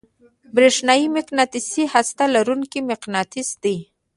برېښنايي مقناطیس هسته لرونکی مقناطیس دی.